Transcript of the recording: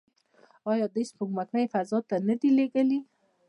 آیا دوی سپوږمکۍ فضا ته نه دي لیږلي؟